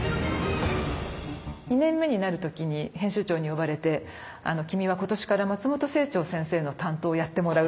２年目になる時に編集長に呼ばれて「君は今年から松本清張先生の担当をやってもらう」って言われたんですね。